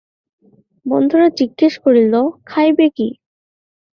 বন্ধুরা জিজ্ঞাসা করিল, খাইবে কী?